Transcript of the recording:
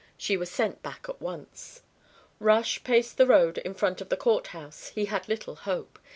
She was sent back at once. Rush paced the road in front of the Court house. He had little hope.